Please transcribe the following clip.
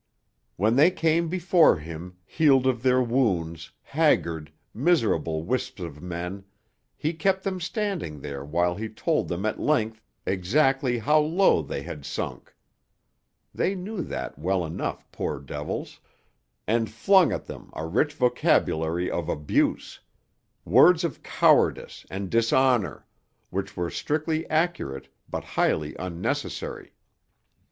When they came before him, healed of their wounds, haggard, miserable wisps of men, he kept them standing there while he told them at length exactly how low they had sunk (they knew that well enough, poor devils), and flung at them a rich vocabulary of abuse words of cowardice and dishonour, which were strictly accurate but highly unnecessary.